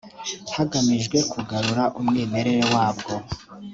hagamijwe kugarura umwimerere wabwo